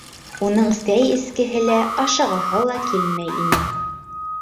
Уның сәй эскеһе лә, ашағыһы ла килмәй ине.